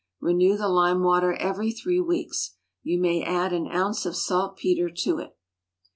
Renew the lime water every three weeks. You may add an ounce of saltpetre to it.